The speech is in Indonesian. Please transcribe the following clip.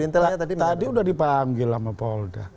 tadi sudah dipanggil sama polda